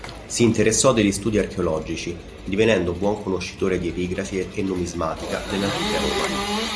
Si interessò degli studi archeologici, divenendo buon conoscitore di epigrafi e numismatica dell'antica Roma.